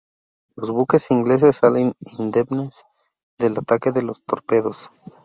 Los buques ingleses salen indemnes del ataque de los torpedos.